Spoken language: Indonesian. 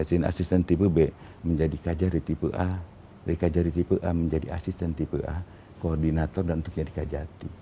kejari tipe b menjadi kejari tipe a dari kejari tipe a menjadi asisten tipe a koordinator dan untuk jadi kejati